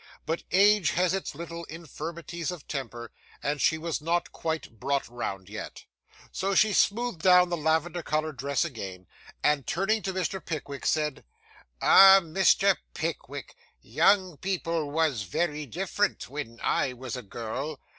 But age has its little infirmities of temper, and she was not quite brought round yet. So, she smoothed down the lavender coloured dress again, and turning to Mr. Pickwick said, 'Ah, Mr. Pickwick, young people was very different, when I was a girl.